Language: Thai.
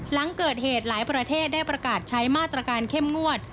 หลังเกิดเหตุหลายประเทศได้ประกาศใช้มาตรการเข้มงวด